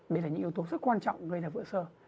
đây là những yếu tố rất quan trọng gây ra vỡ sơ